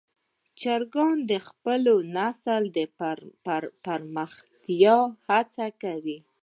چرګان د خپل نسل د پراختیا هڅه کوي.